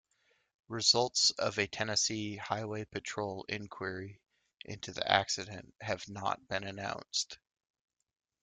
Results of a Tennessee Highway Patrol inquiry into the accident have not been announced.